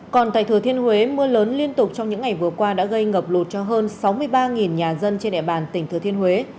còn tại thừa thiên huế mưa lớn liên tục trong những ngày vừa qua đã gây ngập lụt cho hơn sáu mươi ba nhà dân trên địa bàn tỉnh thừa thiên huế